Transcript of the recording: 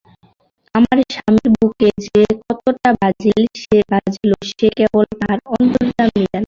আমার স্বামীর বুকে যে কতটা বাজিল সে কেবল তাঁর অন্তর্যামীই জানেন।